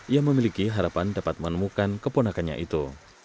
ia memiliki harapan dapat menemukan keponakannya itu